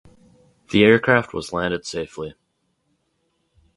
The aircraft was landed safely.